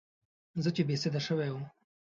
چې زه بې سده شوې وم.